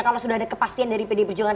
kalau sudah ada kepastian dari pdi perjuangan